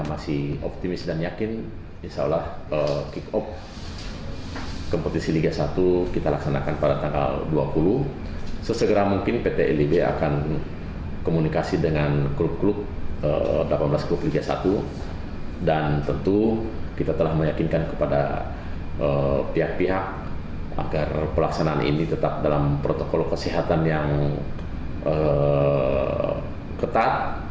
agar pelaksanaan ini tetap dalam protokol kesehatan yang ketat